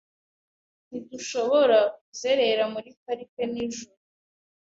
Ntidushobora kuzerera muri parike nijoro.